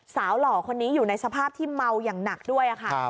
หล่อคนนี้อยู่ในสภาพที่เมาอย่างหนักด้วยค่ะ